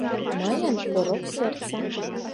— Мыйын — порок сердца...